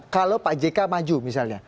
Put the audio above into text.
kalau pak jk maju misalnya